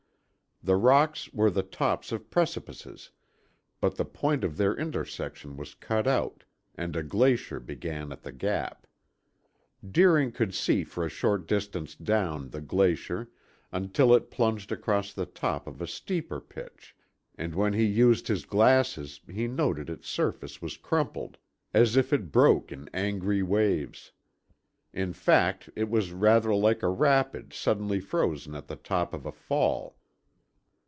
The rocks were the tops of precipices, but the point of their intersection was cut out, and a glacier began at the gap. Deering could see for a short distance down the glacier, until it plunged across the top of a steeper pitch, and when he used his glasses he noted its surface was crumpled, as if it broke in angry waves. In fact, it was rather like a rapid suddenly frozen at the top of a fall.